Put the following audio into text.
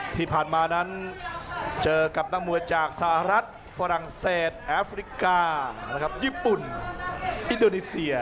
ที่ผ่านมานั้นเจอกับนักมวยจากสหรัฐฝรั่งเศสแอฟริกาญี่ปุ่นอินโดนีเซีย